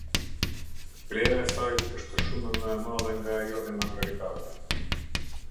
Vlera e saj është shumë më e madhe nga ajo e margaritarëve.